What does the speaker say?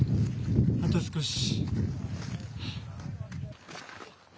あと少し。